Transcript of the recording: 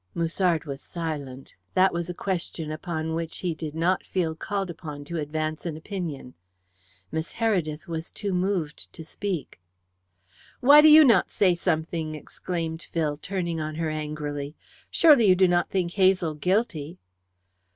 Musard was silent. That was a question upon which he did not feel called upon to advance an opinion. Miss Heredith was too moved to speak. "Why do you not say something?" exclaimed Phil, turning on her angrily. "Surely you do not think Hazel guilty?"